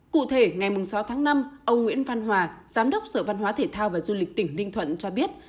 cụ thể ngày sáu tháng năm ông nguyễn văn hòa giám đốc sở văn hóa thể thao và du lịch tỉnh ninh thuận cho biết